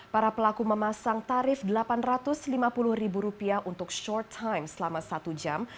para pelaku memasang tarif rp delapan ratus lima puluh untuk short time selama satu jam